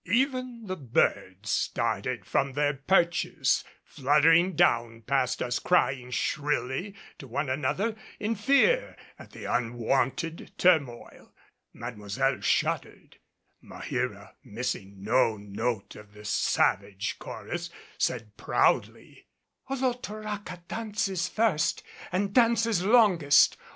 Even the birds started from their perches, fluttering down past us crying shrilly to one another in fear at the unwonted turmoil. Mademoiselle shuddered; Maheera, missing no note of the savage chorus, said proudly, "Olotoraca dances first and dances longest.